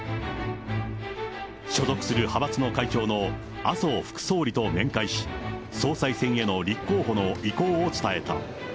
所属する派閥の会長の麻生副総理と面会し、総裁選への立候補の意向を伝えた。